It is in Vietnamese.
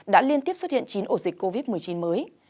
đã liên tiếp xuất hiện chín ổ dịch covid một mươi chín mới